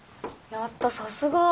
やったさすが。